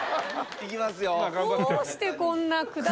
行きますよ。